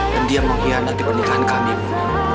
dan dia mengkhianati pernikahan kami bu